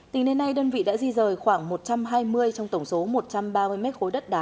tính đến nay đơn vị đã di rời khoảng một trăm hai mươi trong tổng số một trăm ba mươi mét khối đất đá